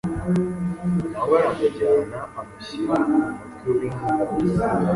Na we aramujyana, amushyira umutware w’ingabo